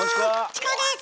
チコです！